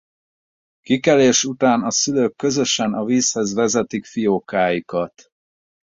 Kikelés után a szülők közösen a vízhez vezetik fiókáikat.